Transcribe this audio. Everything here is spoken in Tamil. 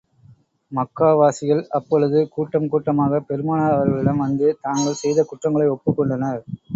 மக்கா வாசிகள் அப்பொழுது கூட்டம் கூட்டமாகப் பெருமானார் அவர்களிடம் வந்து, தாங்கள் செய்த குற்றங்களை ஒப்புக் கொண்டனர்.